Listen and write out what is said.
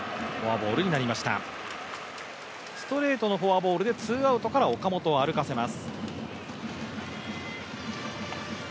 ストレートのフォアボールでツーアウトから岡本を歩かせます。